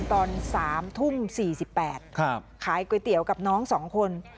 ตอน๓ทุ่ม๔๘ขายก๋วยเตี๋ยวกับน้อง๒คน